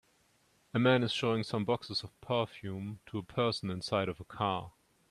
A man is showing some boxes of perfume to a person inside of a car